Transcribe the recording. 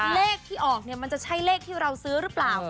เลขที่ออกเนี่ยมันจะใช่เลขที่เราซื้อหรือเปล่า